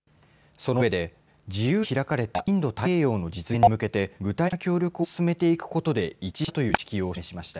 その上で、自由で開かれたインド太平洋の実現に向けて、具体的な協力を進めていくことで一致したという認識を示しました。